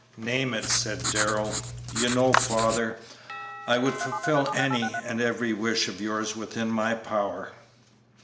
"Name it," said Darrell; "you know, father, I would fulfil any and every wish of yours within my power."